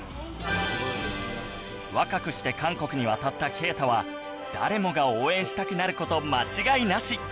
若くして韓国に渡った佳汰は誰もが応援したくなる事間違いなし！